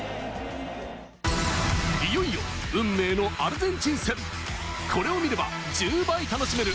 いよいよ運命のアルゼンチン戦、これを見れば１０倍楽しめる！